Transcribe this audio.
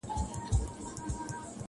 • د دنیا له هر قدرت سره په جنګ یو -